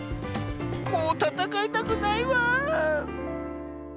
もうたたかいたくないワーン」。